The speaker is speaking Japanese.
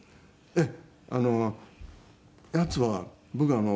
ええ。